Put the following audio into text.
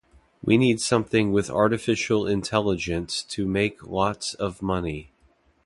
We need something with artificial intelligence to make lots of money.